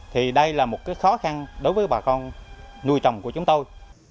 thì đây là một khó khăn đối với bà con nuôi trồng của chúng tôi